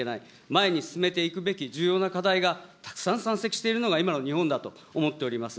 前に進めていくべき重要な課題がたくさん山積しているのが今の日本だと思っております。